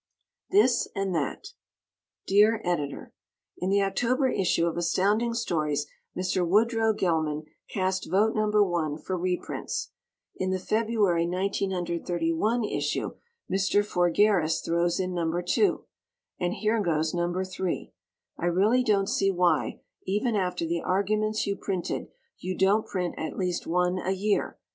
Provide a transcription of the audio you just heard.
This and That Dear Editor: In the October issue of Astounding Stories Mr. Woodrow Gelman cast vote number 1 for reprints. In the February, 1931, issue, Mr. Forgaris throws in number 2 and here goes number 3. I really don't see why, even after the arguments you printed, you don't print at least one a year.